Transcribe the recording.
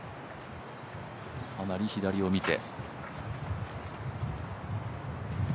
かなり左を見て。